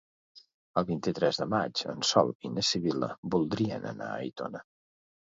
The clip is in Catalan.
El vint-i-tres de maig en Sol i na Sibil·la voldrien anar a Aitona.